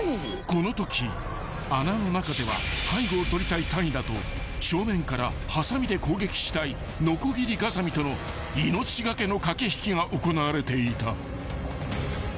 ［このとき穴の中では背後を取りたい谷田と正面からはさみで攻撃したいノコギリガザミとの命懸けの駆け引きが行われていた］